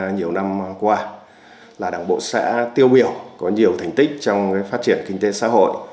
nhiều năm qua là đảng bộ xã tiêu biểu có nhiều thành tích trong phát triển kinh tế xã hội